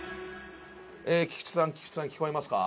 菊池さん菊池さん聞こえますか？